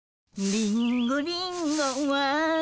「リンゴリンゴは」